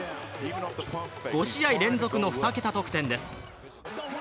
５試合連続の２桁得点です。